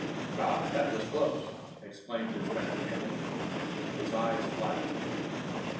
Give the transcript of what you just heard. "God, that was close!" exclaimed Inspector Campbell. His eyes flashed.